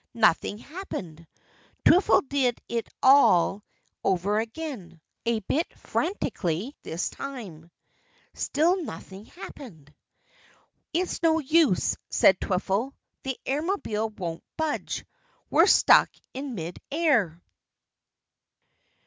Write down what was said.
Nothing happened. Twiffle did it all over again, a bit frantically this time. Still nothing happened. "It's no use," said Twiffle. "The Airmobile won't budge. We're stuck in mid air!"